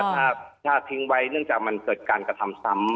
ถ้าทิ้งไว้เนื่องจากมันเกิดการกระทำซ้ำ